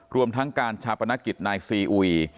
รวมทั้งการชาปนกิจนายซีอุย